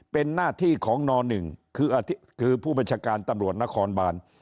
เป็นหน้าที่ของน๑คือผู้บัญชาการตำรวจนครบาน